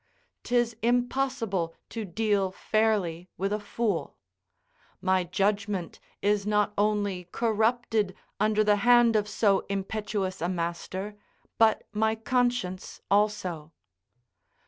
'Tis impossible to deal fairly with a fool: my judgment is not only corrupted under the hand of so impetuous a master, but my conscience also.